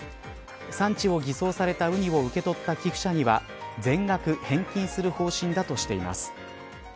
産地を偽装されたウニを受け取った寄付者には全額返金する方針だとしています。